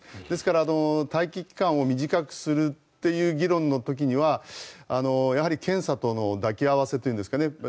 ですから、待機期間を短くするという議論の時にはやはり検査との抱き合わせというんですかね